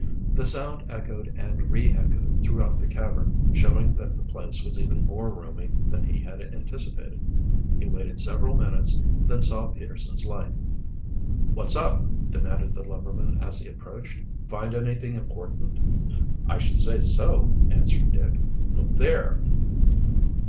The sound echoed and re echoed throughout the cavern, showing that the place was even more roomy than he had anticipated. He waited several minutes, then saw Peterson's light. "What's up?" demanded the lumberman as he approached. "Find anything important?" "I should say so," answered Dick. "Look there."